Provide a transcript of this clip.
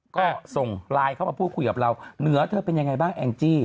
ก็ส่งไลน์เข้ามาพูดคุยกับเราเหนือเธอเป็นยังไงบ้างแองจี้